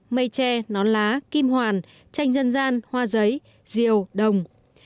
mây tre nón lá kim hoàn tranh dân gian hoa giấy rìu đồng